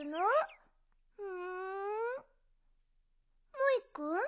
モイくん？